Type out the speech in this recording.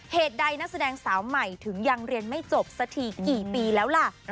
เหตุใดนักแสดงสาวใหม่ถึงยังเรียนไม่จบสักทีกี่ปีแล้วล่ะ